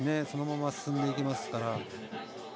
そのまま進んでいけますから。